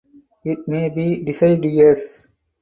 It may be deciduous.